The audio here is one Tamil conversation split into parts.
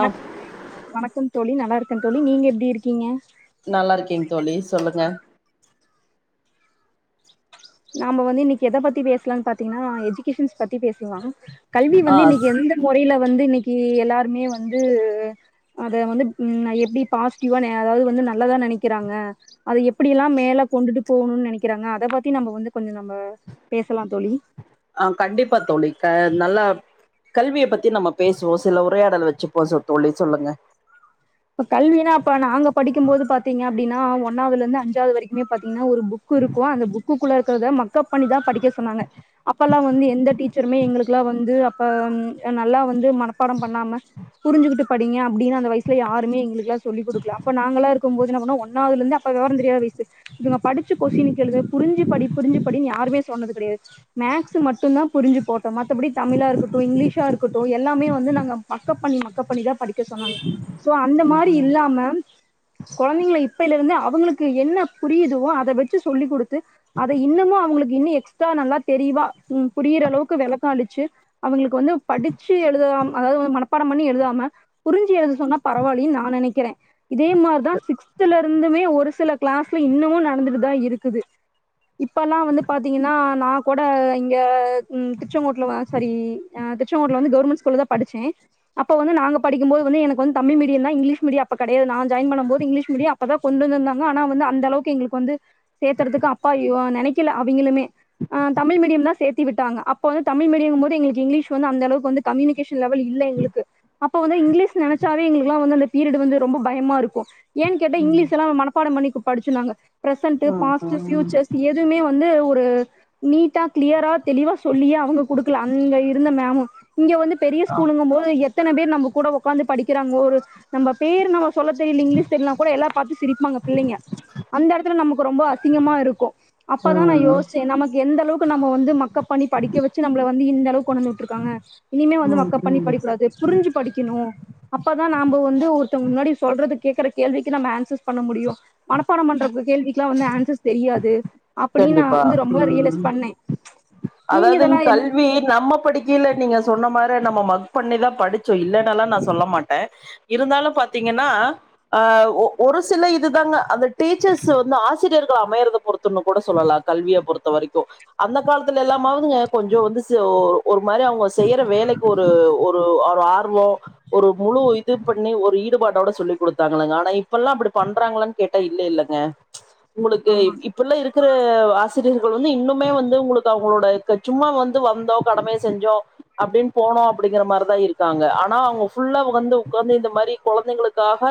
ஆ வணக்கம் தோழி நல்லாருக்கே தோழி நீங்க எப்டிருக்கீங்க நல்லாருக்கே தோழி சொல்லுங்க நாம வந்து இன்னிக்கு எத பத்தி பேசுலான் பாத்தீங்னா எஜுகேஷன்ஸ் பத்தி பேசுலா கல்வி ஆ வந்து இன்னிக்கி ஸ்- எந்த மொறையில வந்து இன்னிக்கி எல்லாருமே வந்து அத வந்துப் ம் நா எப்டி பாசிட்டிவா நே அதாவ்து வந்து நல்லதா நெனைக்கிறாங்க அத எப்பிடிலா மேல கொண்டுட்டு போணூன் நெனைக்கிறாங்க அத பத்தி நம்ப வந்து கொஞ்சோ நம்ப பேசலா தோழி நல்லாப் கல்விய பத்தி நம்ம பேசுவோ சில உரையாடல் வெச்சுப்போ சொ தோழி சொல்லுங்க குப்போது பாத்தீங்க அப்டின்னா ஒன்னாவ்துலந்து அஞ்சாவ்து வரைக்குமே பாத்தீங்னா ஒரு புக் இருக்கூ அந்த புக்குக் குள்ளருக்கத மக்கப் பண்ணிதா படிக்க சொன்னாங்க அப்பல்லா வந்து எந்த டீச்சருமே எங்களுக்கெல்லா வந்து அப்ப ம் நல்லா வந்து மனப்பாடம் பண்ணாம புரிஞ்சுக்கிட்டு படிங்க அப்டீனு அந்த வயசு சுல யாருமே எங்களுக்கெல்லா சொல்லி குடுக்ல அப்போ நாங்கள்லா இருக்கும்போது என்ன பண்ணோ ஒன்னாவுலுந்து அப்ப வெவரந்தெரியாத வயசு இவங்க படி ச்சு கொஸினு கேளுக புரிஞ்சு படி புரிஞ்சுபடின் யாருமே சொன்னது கெடையாது மேக்ஸ் மட்டுந்தா புரிஞ்சு போட்டோ மத் தபடி தமிழா இருக்கட்டு இங்கிலீஷா இருக்கட்டு எல்லாமே வந்து நாங்க மக்கப் பண்ணி மக்கப் பண்ணிதா படிக்க சொன்னாங்க சோ அந்த மாரி இல்லாம கொழந்தைங்கள இப்பைலேருந்தே அவ் வுங்குளுக்கு என்ன புரியுதோ அத வெச்சு சொல்லிக் குடுத்து அத இன்னமு அவுங்குளுக்கு இன்னு எக்ஸ்டா நல்லா தெரிய் வா ம் புரியிறளவுக்கு வெளக்கோ அளிச்சு அவுங்ளுக் கு வந்து படிச்சு எழுதலாம் அதாவ்து மனப்பாடோ பண்ணி எழுதாம புரிஞ்சு எழுத சொன் பரவாலீன் நா நெனைக்கிறே இதே மார்தா சிக்ஸ்த்துல ருந்துமே ஒரு சில கிளாஸ்ல இன்னுமு நடந்துட்டுதா இருக்குது இப்பல்லா வந்து பாத்தீங்னா நா கோட இங்க ம் திர்ச்செங்கூட்ல ஆ சரி ஆ அ திர்ச்சங்கூட்ல வந்து கவுர்மென்ட் ஸ்கூலதா படிச்சே அப்ப வந்து நாங்க படிக்கும்போது வந்து எனக் வந் தமிழ் மீடியந்தா இங்க்லீஷ் மீடிய அப்ப கெடையாது நா ஜாயின் பண்ணும் போது இங்கிலீஷ் மீடியோ அப்பதா கொண்டந்துதாங்க ஆனா வந்து அந்தளவுக்கு எங்குளுக்கு வந்து சேத்தறதுக்கு அப்பா யோ நெனைக்கில அவிங்களுமே ஆ தமிழ் மீடியோந்தா சேத் தி விட்டாங்க அப்ப வந்து தமிழ் மீடியங்போது எங்ளுக்கு இங்கிலீஷ் வந்து அந்தளவுக்கு வந்து கம்மினிகேஷன் லெவல் இல்ல எங்ளுக்கு அப்ப வந்து இங்கிலீஷ் நெனைச்சாவே எங்ளுக்குலா வந்து அந்த பீரியட் வந்து ரொம்ப பயமா இருக்கூ ஏன் கேட்டா இங்கிலீஷ் எல்லா மனப்பாடோ பண்ணிக் படிச்சோ நாங்க ப்ரசன்டு ம் பாஸ்டு ம் பியூச்சர்ஸ் எதுவ்மே வந்து ஒ ரு நீட்டா க்ளியரா தெளிவா சொல்லியே அவுங்க குடுக்கல அங்க இருந்த மேமு இங்க வந்து பெரிய ஆ ஸ்கூலுங்கும் போது எத்தன பேர் நம்ம கூட ஒக்காந்து படிக்கிறாங்க ஒரு நம்ப பேர் நம்ம சொல்ல தெரியல இங்கிலீஷ் தெரியலனா கூட எல்லா பாத்து சிரிப்பாங்க பிள்ளைங்க அந்த எடத்துல நமக்கு ரொம்ப அசிங்கமா இருக்கு அப்பதா நா ம் யோச்சே நமக்கு எந்த அளவுக்கு நம்ம வந்து மக்கப் பண்ணி படிக்க வச்சு நம்மள வந்து இந்த ளவு கொண்டந்துட்ருக்காங்க இனிமே வந்து ம் மக்கப் பண்ணி ம் படிக்கூடாது புருஞ்சு படிக்கணு அப்பதா நாம்பொ வந்து ஒருத்தங் முன்னாடி சொல்றத கேட்குற கேள்விக்கு நம்ம ஆன்சர்ஸ் பண்ண முடியு மனப்பாடம்பன்ற கேள்விக்கெல்லா வந்து ஆன்சர்ஸ் தெரியாது அப்டின்னு நா கண்டிப்பா வந்து ரொம்ப ம் ரியலஸ் பண்ணே நீங்க அதாவதுங் இதெல்லா என்ன கல்வி நம்ம படிக்கீல நீங்க சொன்ன மாரி நம்ம மக் பண்ணிதா படிச்சோ இல்லேன்னல்லா நா சொல்ல மாட்டே இருந்தாலு பாத்தீங்கன்னா ஆ ஆ ஒ ஒரு சில இதுதாங்க அந்த டீச்சர்ஸ் வந்து ஆ சிரியர்கள் அமையரத பொறுத்துன்னு கூட சொல்லலா கல்விய பொறுத்த வரைக்கு அந்த காலத்துலயெல்லாமாவதுங்க கொஞ்சோ வந்து சியோ ஒரு மாரி அவங்க செய்யற வேலைக்கு ஒரு ஒரு ஒரு ஆத் [unintelligible] ஒரு முழு இது பண்ணி ஒரு ஈடுபாடோட சொல்லிக் குடுத்தாங்களுங்க ஆனா இப்பெல்லா அப்டி பண் றாங்களான்னு கேட்டா இல்ல இல்லங்க உங்களுக்கு ஆமா இப்பெல்லா இருக்கிற ஆசிரியர்கள் வந்து இன்னுமே வந்து உங்களுக்கு அவங்களோட சும்மா வந்து வந்தோ கடமய செஞ்சோ அப்டின் போனோ அப்டிங்கிற மாரிதா இருக்காங்க ஆனா அவங்க ஃபுல்லா வந்து உட்காந்து இந்த மாரி கொழந்தைங்களுக்காக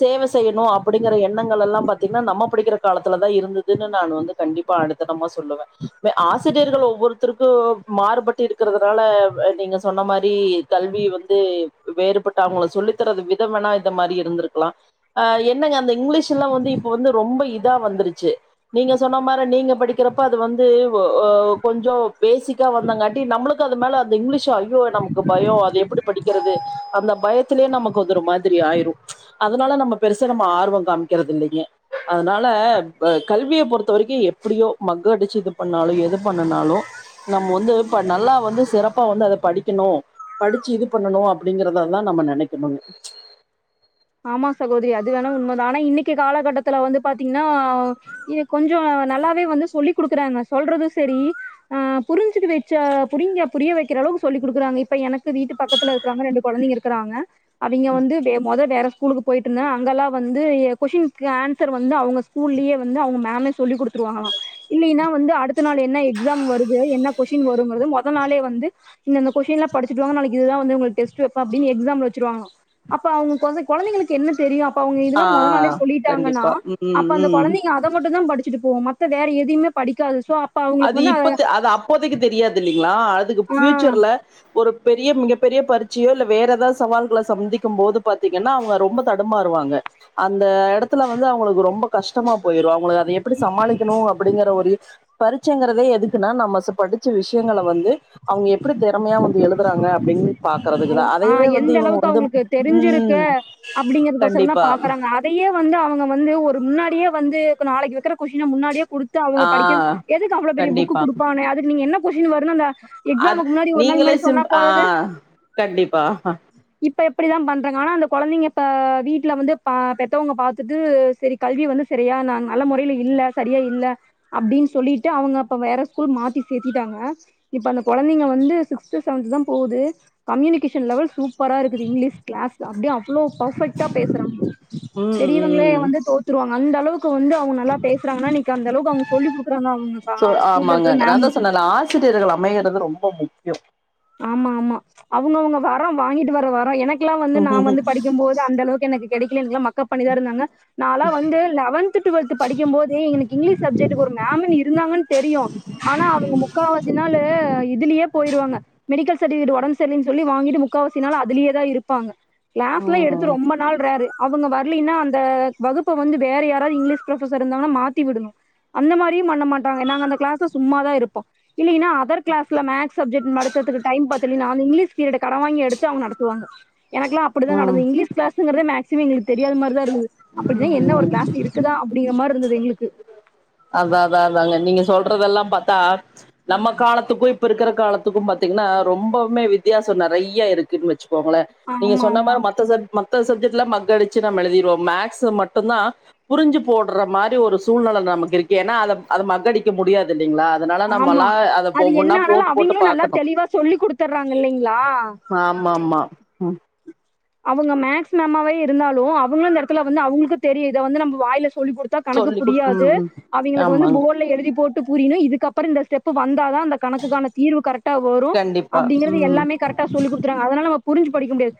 சேவ செய்யணு அப் அப்டிங்கிற எண்ணங்களெல்லா பாத்தீங்கன்னா நம்ம படிக்கிற காலத்துலதா இருந்ததுன்னு நானு வந்து கண்டிப்பா ஆணித்தனமா சொல்லுவே ஆசிரியர்கள் ஒவ்வொருத்தருக்கு மாறுபட்டிருக்கிறதுனால நீங்க சொன்ன மாரி கல் வி வந்து வேறுபட்டு அவங்கள சொல்லித்தரது விதம் வேணா இந்த மாரி இருந்திருக்கலா அ என் என்னங்க அந்த இங்கிலீஷெல்லா வந்து இப்ப வந்து ரொம்ப இதா வந்துருச்சு நீங்க சொன்ன மாரி நீங்க படிக்கிறப்ப அது வந் து கொஞ்சோ பேசிக்கா வந்தங்காட்டி நம்மளுக்கு அது மேல அந்த இங்கிலீஷ் ச்சோ ஐயோ நமக்கு பயோ அத எப்டி படிக்கிறது அந்த பயத்லே நமக்கு வந்து ஒரு மாதிரி ஆயிரு அதனால நம்ம ச்சு ஆர்வோ காமிக்கிறது இல்லைங்க அதனால கல்விய பொறுத்த வரைக்கு எப்டியோ மக்கட் புடிச்சு இது பண்ணாலு எது பண்ணுனாலு நம்ம வந்து ப நல்லா வந்து சிறப்பா வந்து அத படிக்கணு படிச்சு இது பண்ணணு அப்டிங்கறத தா நம்ம நெனைக்கணுங்க ஆமா சகோதரி அது வேணு உண்மதா ஆனா இன்னைக்கு காலகட்டத்துல வந்து பாத்தீங்கன்னா இது கொஞ்சோ நல்லாவே வந்து சொல்லிக் குடுக்குறாங்க சொல்றது செரி புரிஞ்சுட்டு வச்ச புரிங்க புரிய வைக்கிற அளவுக்கு சொல்லி் குடுக்கறாங்க இப்ப எனக்கு வீட்டு பக்கத்தில இருக்கிறாங்க ரெண்டு கொழந்தைங்க இருக்கிறாங்க அவங்க வந்து மொத வேற ஸ்கூலுக்கு போயிட்டு இருந்தே அங்கெல்லா வந்து கொஸினுக்கு ஆன்சர் வந்து அவுங்க ஸ்கூல்லேயே வந்து அவுங்க மேம்மே சொல்லி குடுத் துருவங்கள இல்லைன்னா வந்து அடுத்த நாள் என்ன எக்ஸாம் வருது என்ன கொஸ்டின் வருங்குறது மொத நாளே வந் து இந்தந்த கொஸ்டின்லா படிச்சுட்டு வாங்க நாளைக்கு இதுதா வந்து உங்களுக்கு டெஸ்ட் வெப்ப அப்டின்னு எக்ஸாம் வச்சுருவாங்ளா அப்ப அவுங்க கொழந்தைங்களுக்கு என்ன தெரியு அப் ப அவுங்க ஆ இதெல்லா மொத நாளே சொல்லிட்டாங்கனா கண்டிப்பா ம் அப்ப அந்த ம் கொழந்தைங்க அத மட்டு தா படிச் சுட்டு போம் மத்த வேற எதைமே படிக்காது சோ அப்ப அவங்களுக்கு அது வந்து அத இப்பத் அது அப்போதைக்கு தெரியாது இல்லைங்களா அதுக்கு ஆ பியூச்சர்ல ஒ ரு பெரிய மிகப்பெரிய பரிட்சையோ இல்ல வேற ஏதாவது சவால்கள சந்திக்கும் போது பாத்தீங்கன்னா அவங்க ரொம்ப தடுமாறுவாங்க க அந்த இடத்துல வந்து அவங்களுக்கு ரொம்ப கஷ்டமா போயிரு அவங்களுக்கு அத எப்டி சமாளிக்கணு அப்டிங்கற ஒரு பரிட்ச்சுங்கிறதே எதுக்குன்னா நம்ம படிச்ச விஷயங்கள வந்து அவுங்க எப் எப்டி திறமையா வந்து எழுதுறாங்க அப்டின்னு பாக்குறதுக்குதா ஆ அதவே வந்து இவங்க வந்து ம் அப்டிங்கிறது ஒசர தா கண்டிப்பா பாக்குறாங்க அதையே வந்து அவுங்க வந்து ஒரு முன்னாடியே வந்து நாளைக்கு வக்கற கொஸ்டின முன்னாடியே குடுத்து அவுங்க ஆ படிக்க எதுக்கு அவ்ளோ பெரிய புக்கு கண்டிப்பா குடுப்பானே அதுக்கு என்ன கொஸ்டின் வரு அந்த அது எக்ஸாம் நீங்களே சிம் ஆஹ் கண்டிப்பா ஹ இப்ப எப்டிதா பண்றாங்க ஆனா அந்த கொழந்தைங்க வீட்ல வந்து பெத்தவங்க பாத்துட்டு செரி கல்வி வந்து செரி யா நல்ல முறையில இல்ல செரியா இல்ல அப்டின்னு சொல்லிட்டு அவுங்க அப்ப வேற ஸ்கூல் மாத்தி சேத்திட்டாங்க அ இப்ப அந்த கொழந்தைங்க வந்து சிக்ஸ்து சவன்த் தா போது கம்யூனிகேஷன் லெவல் சூப் பரா இருக்குது இங்கிலீஷ் கிளாஸ் அப்டியே அவ்ளோ பஃபெக்ட்டா பேசுறாங்க ம் பெரியவங்களே ம் வந்து தோத்துருவாங்க அந்த அளவுக்கு வந்து அவுங்க நல்லா பேசுறாங்கன்னா இன்னைக்கு அந்தளவுக்கு அவுங்க சொல்லி குடுக்குறாங்க அவுங் சோ ஆமாங்க நாந்தா சொன்ன இல்ல ஆசிரியர்கள் அமைகிறது ரொம்ப முக்கியோ ஆமா ஆமா அவுங்கவுங்க வரம் வாங்கிட்டு வர வரோ எனக்கெல்லா வந்து நா ம் வந்து படிக்கும் போது அந்த அளவுக்கு எனக்கு இல்ல எனகெல்லா மக் அப் பண்ணிதா இருந்தாங்க நா எல்லா வந்து லெவன்த் டுவெல்த் படிக்கும் போதே எனக்கு இங்கிலீஷ் சப்ஜெக்ட்க்கு ஒரு மே மம்ன்னு இருந்தாங்கன்னு தெரியு ஆனா அவங்க முக்காவாசினாளு இதுலயே போயிருவாங்க மெடிக்கல் சர்டிஃபிகேட் ஒடம்பு சரியில்லன்னு சொல்லி வாங்கிட்டு முக்காவாசினாலு அதிலேயே தா இருப்பாங்க கிளாஸ் எல்லா எடுத்து ம் ரொம்ப நாள் ரேர்ரு அவுங்க வர்லீன்னா அந்த வகுப்ப வந்து வேற யாராவது இங்கிலீஷ் ப்ரொபசர் இருந்தாங்கன்னா மாத்தி விடணு அந்த மாரியும் பண்ண மாட்டாங்க நாங்க அந்த கிளாஸ்ல சும்மாதா இருப்போ இல்லீன்னா அதர் கிளஸ்ல மேக்ஸ் சப்ஜெட் நடத்ததுக் டைம் பத்தலினா அந்த இங்கிலீஷ் பீரியட கட வாங்கி எடுத்து அங்க நடத்துவாங்க எனக்கெல்லா அப்டிதா நடந்தது இங்கிலீஷ் கிளாங்கறத மேக்ஸிம எங்களுக்கு தெரியாத மாதிரிதா இருந்தது அப்டினா என்ன ம் ஒரு ம் கிளாஸ் இருக்குதா அப்டிங்கிற மாரி இருந்தது எங்களுக்கு அதா அதா அதங்க நீங்க சொல்றதெல்லா பாத்தா நம்ம காலத்துக்கு இப்ப இருக்கிற காலத்துக்கு பத்தா திங்ன்னா ரொம்பவுமே வித்தியாச நெறைய இருக்குன்னு வச்சுக்கோங்கள நீங்க ஆமா சொன்ன ஆமா மார மத்த சப் மத்த மத்த சப்ஜெக்ட் எல்லா மக்கடிச்சு நம்ம எழுதிருவோ மேக்ஸ் மட்டும்தா புரிஞ்சு போடுற மாரி ஒரு சூழ்நிலை நமக் இருக்கு ஏன்னா அதை அது மக்கடிக்க முடியாது இல்லீங்களா அதனால ஆமா நம்மல்லா அத அது என்ன ஒவ்வொன்னா ஆனாலு போட்டுப் போட்டு அவிங்களு நல்லா பாக்கணு தெளிவா சொல்லி குடுத்துர்றாங்க இல்லைங்களா ஆம் மம்மா அவங்க மேக்ஸ் மேமாவே இருந்தாலு அவங்க இந்த எடத்துல வந்து அவங்களுக்கு தெரியு இத வந்து நம்ம வாயில சொல்லிக் குடுத்தா கணக்குப் சொல்லி குடு புரியாது ம் ம் அவிங்களுக்கு வந்து ஆமாங்க போட்ல எழுதி போட்டு புரியினு இதுக்கப்புற இந்த ஸ்டெப்பு வந்தாதா அந்த கணக்குக்கான தீர்வு கரெக்டா வரு கண்டிப்பா அப்டிங்கறது ம் எல்லாமே கரெக்டா சொல்லி குடுகறங்க அதனால நம்ம புரிஞ்சு படிக்க முடியாது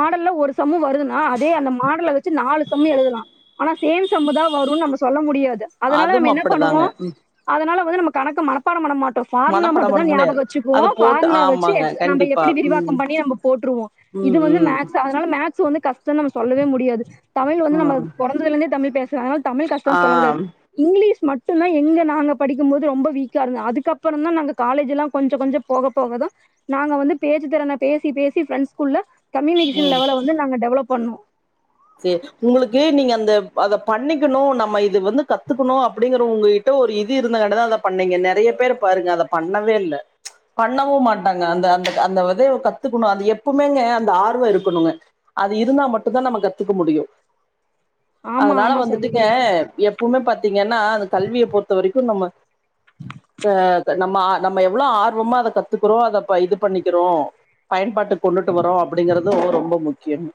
மாடல ஒரு சம் வருதுன்னா அதே அந்த மாடல் வச்சு நாலு சம் எழுதலா ஆனா சேம் சமுதா வருன்னு நம்ம சொல்ல முடியாது அதனால நம்ம அதுவும் என்ன பண்ணுவோ அப்படிதாங்க ம் அதனால வந்து நம்ம கணக்க மனப்பாடோ பண்ண மாட் டோ ஃபார்முலா மனப்பாடம் மட்டுதா பண்ண ஞாபக முடியாது வச்சுக்குவோ அத போட்டு பார்முலா வச்சு ஆமாங்க எக்ஸ் நம்ம கண்டிப்பா எப்டி ம் விரிவக்கம் பண்ணி நம்ம போட்டுருவோ இது ம் நம வந்து ம் மேக்ஸ் அதனால மேக்ஸ் வந்து கஷ்ட நம்ம சொல்லவே முடியாது தமிழ் வந்து நம்ம ம் பொறந்தலந்தே தமிழ் பேசுற அதனால தமிழ் ஆ கஷ்டோன்னு சொல்ல முடியாது ம் இங்கிலீஷ் மட் மட்டு்தா எங்கே நாங்க படிக்கும்போது ரொம்ப வீக்காக இருந்தது அதுக்கப்புற தா நாங்க காலேஜ் எலாம் கொஞ்சோ கொஞ்ச போக போகதா நாங்க வந்து பேச்சு திறன பேசிப் பேசி ஃப்ரெண்ட்ஸ்குள்ள கம்யூனிகேஷன் லெவல வந்து நாங்க டெவலப் பண்ணனு சேரி உங்களுக்கு நீங்க அந்த அத பண்ணிக்கணு நம்ம இது வந்து கத்துக்கணு அப்டிங்கற உங்ககிட்ட ஒரு இது இருந்தாங்கடதா அத பண்ணீங்க நெறைய பேர் பாருங்க அத பண்ணவே இல்ல பண்ணவு மாட்டாங்க அந்த அந்த அந்த விதைய கத்துக்கணு அது எப்பவுமேங்க அந்த ஆர்வ இருக்கணுங்க அது இருந்தா மட்டுதா நம்ம கத்துக்க முடியு ஆமா அதனால ஆமா வந்துட்டுக்கே சகோதரி எப்பவுமே பத் திங்கன்னா அந்த கல்வியை பொறுத்த வரைக்கு நம்ம அ நம்ம நம்ம எவ்ள ஆர்வமா அத கத்துக்கிறோ அதப் ப இது பண்ணிக்கிறோ பயன்பாட்டு கொண்டுட்டு வரோ அப்டிங்கறது ரொம்போ முக்கியங்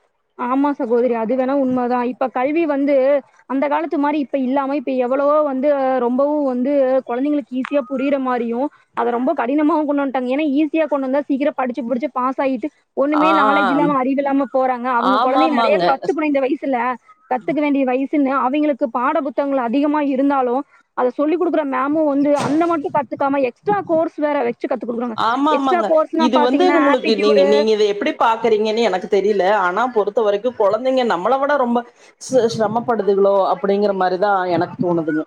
ஆமா சகோதரி அது வேணா உண்மைதா இப்ப கல்வி வந்து அந்த காலத்து மாரி இப்ப இல்லாம இப்ப எவ்ளவோ வந்து ரொம்பவு வந்து கொழந்தைங்களுக்கு ஈஸியா புரியிற மாரி யு அத ரொம்ப கடினமாகவு கொண்டு வன்ட்டாங்க ஏன்னா ஈஸியா கொண்டு வந்தா சீக்கிர படிச்சு புடிச்சு பாஸ் ஆகிட்டு ஆ ஒண்ணுமே நாலேஜ் இல்லாம அறிவில்லாம போறாங் க அவுங்க கொழந்தைக நெறைய ஆமாமாங்க கத்துகணு இந்த வயசுல கத்துக்க வேண்டிய வய் சுன்னு அவிங்களுக்கு பாட புத்தகங்கள் அதிகமா இருந்தாலு அத சொல்லிக் குடுக்கற அந் மேமு வந்து அந்த மட்டு கத்துக்காம எக்ஸ்ட்ரா கோர்ஸ் வேற வெச் ஆமா ஆமாங்க இது வந்து பாத்தீங்கன்னா உங்களுக்கு ஆப்டிடியூடு நீங்க நீங்க இத எப்டி பாக்கறீங்கன்னு எனக்கு தெரியு ல்ல ஆனா பொறுத்த வரைக்கு கொழந்தைங்க நம்மளை விட ரொம்ப சி சிரமப்படுதுகளோ அப்டிங்கிற மாரிதா ஆ எனக்குத் தோணுதுங்க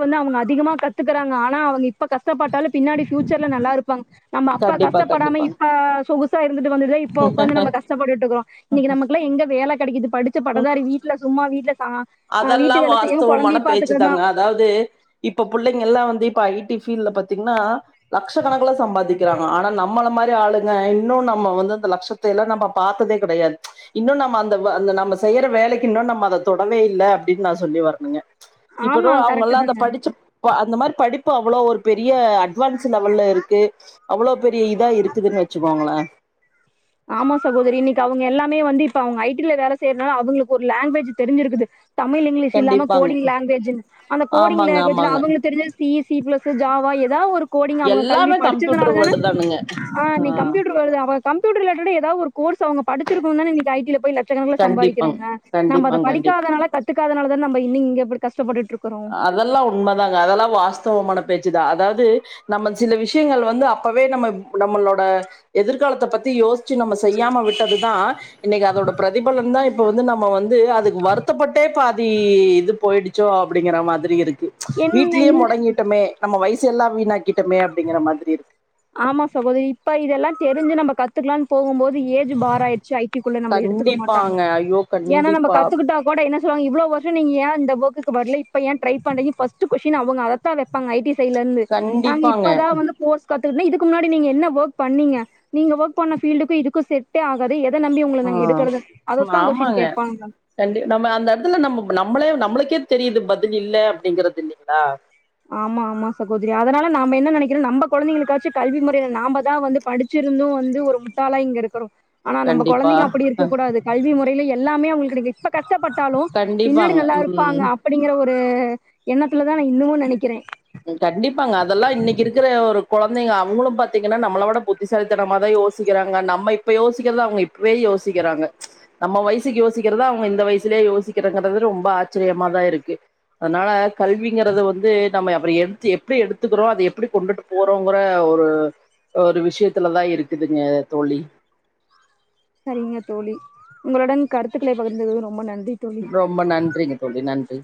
ப்ப வந்து அவங்க அதிகமா கத்துக்கிறாங்க ஆனா அவங்க இப்ப கஷ்ட கஷ்டப்பட்டாலு பின்னாடி பியூச்சர்ல நல்லா இருப்பாங்க நம்ம அப்பா கண்டிப்பா கஷ்டப்படாம இப்ப கண்டிப்பாங்க ட்டு வந்து இப்ப உக்காந்து நம்ம கஷ்டப்பட்டுட்டுக்கோ இன்னைக்கு நமக்கு எங்க வேல கடைக்குது படிச்ச பட்டதாரி வீட்ல சும்மா வீட்ல வீட்டு வேல செய்ய வாஸ்த்துவமான பேச்சு தாங்க அதாவது இப்ப பிள்ளைங்க எல்லா வந்து இப்ப இப்ப ஐ டி ஃபீல்டல பாத்தீங்கன்னா லட்ச கணக்ல சம்பாதிக்கிறாங்கல ஆனா நம்மள மாரி ஆளுங்க இன்னு நம்ம வந்து அந்த லட்சத்த நம்ம பார்த்ததே கடையாது இன்னு நம்ம அந்த அ நம்ம செய்யற வேலைக்கு இன்னு நம்ம அத தொடவே இல்ல அப்டின்னு நா சொல்லி வரணுங்க இப்ப ஆமா அவங்க கரெக்ட் எல்லா அத தாங்க படிச்சு அந்த மாரி படிப்பு அவ்ளோ ஒரு பெரிய அட்வான்ஸ் லெவல்ல இருக்கு அவ்ளோ பெரிய இதா இருக்குதுன்னு வச்சுக்கோங்கள [inaudible] ஆமா சகோதரி இன்னைக்கு அவங்க எல்லாமே வந்து இப்ப அவங்க ஐடிில வேல செய்யறனால அவங்களுக்கு ஒரு லாங்குவேஜ் தெரிஞ்சிருக்குது தமிழ் இங்கிலீஷ் இல்லாம கண்டிப்பாங்க கோடிங் லாங்குவேஜ் அந்த கோடிங் ஆமாங்க லாங்குவேஜ்ல ஆமாங்க அவங்களுக்கு தெரிஞ்ச சி சி பிளஸ் ஜாவா எ கோடிங் அவங்க கல்வி எல்லாமே படிச்சதுனால கம்ப்யூட்டர் தானே வேர்டு தானுங்க ஆ நீ கம்யூட்டர் வருது அவங்க ல ரிலேட்டடா ஏதாவது ஒரு கோர்ஸ் அவங்க படிச்சிருக்கங்க இன்னைக்கி ஐடி ல போயி லட் ச கணக்ல கண்டிப்பாங் சம்பாக்கிறாங்க நம்ம அத கண்டிப்பாங் கண்டிப் படிக்காதனால கத்துக்காதனால தா நம்ம இன்னு இங்க கஸ் அதெல்லா உண்மதாங்க அதெல்லா வாஸ்துவமான பேச் சு அதாவது நம்ம சில விஷயங்கள் வந்து அப்பவே நம்ம நம்மளோட எதிர்காலத்த பத்தி யோசி சி நம்ம செய்யாம விட்டதுதா இன்னைக்கு அதோட பிரதிபலன் தா இப்ப வந்து நம்ம வந்து அதுக்கு வருத்தப்பட்டே பாத் இது போயிடுச்சோ அப்படிங்கிற மாதிரி இருக்கு என்ன வீட்லயே இல்ல முடங்கிட்டோமே நம்ம வயசு எல்லா வீணாக்கிட்டமே அப்டிங்கிற மாதிரி இருக்கு ஆமா சகோதரி இப்ப இதெல்லா தெரிஞ்சு நம்ம கத்துக்கலாம்னு போகும்போது ஏஜ் பார் ஆய்டுச்சு ஐ டிக்குள்ள நம்ல எடுத்துக்க மாட்டாங்க கண்டிப்பாங்க ஐயோ ஏன்னா நம்ம கண்டிப்பா கத்துகிட்டா கூட என்ன இவ்லோ வர்ஷோ நீங்க ஏ இந்த ஒர்க்குகு வரல இப்போ ஏ ட்ரை பண்றீஸ்ங்க ஃபர்ஸ்ட் ஃகொசின் அவுங்க அதத்தா வப்பாங்க ஐடி ல இருந்து நாங்க கண்டிப்பாங்க இப்பதா வந்து கோர்ஸ் கத்து இதுக்கு முன்னாடி நீங்க என்ன ஒர்க் பண்ணீங்க நீங்க ஒர்க் பண்ண ஃபீல்ட்க்கு இதுக்கு செட்டே ஆகாது எத் ம் ஆமாங்க கேட்பாங்க கண்டி நம்ம அந்த எடத்துல நம்ம நம்ளே நம்ளுக்கே தெரியுது பதில் இல்ல அப்டிங்றது இல்லிங்ளா ஆமா ஆமா சகோதரி அதனால நாம என்ன நெனைக்றோ நம்ம கொழந்தைங்ளுக்காச்சு கல்வி மொறைல நாமதா வந்து படிச்சு இருந்து வந்து ஒரு முட்டாலா இங்க இருக்றோ ஆனா நம்ம கண்டிப்பா கொழந்தைங்க அப்டி இருக்க கூடாது கல்வி மொறைல எல்லாமே அவுங்ளுக்கு இப் கஷ்டப்பட்டாலு பின்னாடி கண்டிப்பாங்க நல்லா இருப்பாங்க ம் அப்டிங்ற ஒரு எண்ணத்துல தா நா இன்னமு நெனைக்றே கண்டிப்பாங்க அதெல்லா இன்னைக்கு இருக்ற ஒரு கொழந்தைங்க அவுங்ளு பாத்தீங்கன்னா நம்மளோ விட புத்திசாலித்தனமா தா யோசிக்றாங்க நம்ம இப்ப யோசிக்றத அவுங்க இப்பவே யோசிக்றாங்க நம்ம வயசுக்கு யோசிக்றத அவுங்க இநத வயசு லே யோசிக்றங்கது ரொம்ப ஆச்சரியமா தா இருக்கு அதனால கல்விங்றது வந்து நம்ம அப்ரோ எடுத்து எப்டி எடுத்துக்றோ அத எப்டி கொண்டுட்டு போறோங்ற ஒரு ஒரு விஷயத்துலதா இருக்குதுங்க தோழி சரிங்க தோழி உங்களுடன் கருத்துக்களை பகிர்ந்தது ரொம்ப நன்றி தோழி ரொம்ப நன்றிங்க தோழி நன்றி